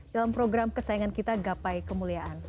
dalam program kesayangan kita gapai kemuliaan